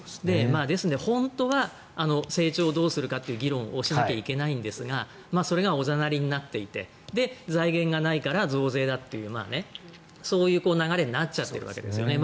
ですので、本当は成長をどうするかという議論をしないといけないんですがそれがおざなりになっていて財源がないから増税だというそういう流れになっちゃっているわけですね。